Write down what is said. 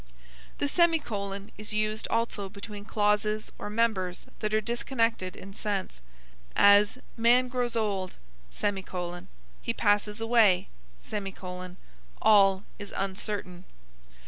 The semicolon is used also between clauses or members that are disconnected in sense; as, Man grows old; he passes away; all is uncertain.